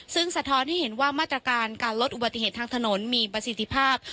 ซึ่งสะท้อนให้เห็นว่ามาตรการการลดอุบัติเหตุทางถนนมีประสิทธิภาพ